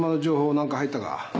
何か入ったか？